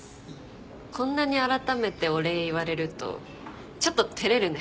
こんなにあらためてお礼言われるとちょっと照れるね。